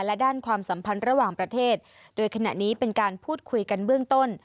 และด้านความสัมพันธ์ระหว่างประเทศโดยขณะนี้เป็นการพูดคุยกันเบื้องต้น